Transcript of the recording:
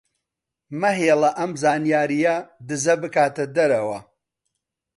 مەهێڵە ئەم زانیارییە دزە بکاتە دەرەوە.